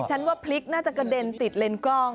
ฉันว่าพลิกน่าจะกระเด็นติดเลนส์กล้อง